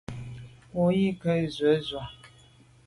Bo yi nke nzwe zwe’.